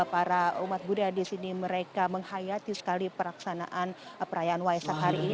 para umat budaya di sini mereka menghayati sekali peraksanaan perayaan waisak hari ini